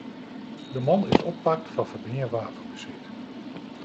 De man is oppakt foar ferbean wapenbesit.